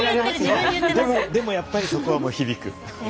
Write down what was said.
でも、やっぱりそこは響く。